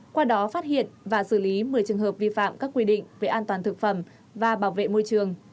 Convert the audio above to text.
qua đó phát hiện và xử lý một mươi trường hợp vi phạm các quy định về an toàn thực phẩm và bảo vệ môi trường